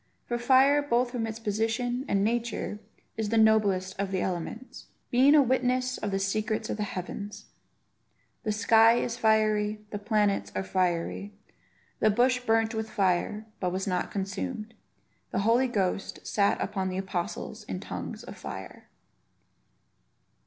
For fire, both from its position and nature, is the noblest of the elements, being a witness of the secrets of the heavens. The sky is fiery; the planets are fiery; the bush burnt with fire, but was not consumed; the Holy Ghost sat upon the apostles in tongues of fire.